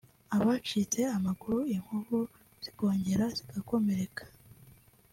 abacitse amaguru inkovu zikongera zigakomereka